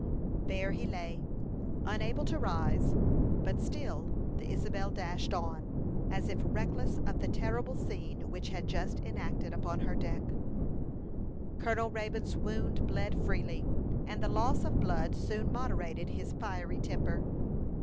There he lay, unable to rise; but still the Isabel dashed on, as if reckless of the terrible scene which had just been enacted upon her deck. Colonel Raybone's wound bled freely, and the loss of blood soon moderated his fiery temper.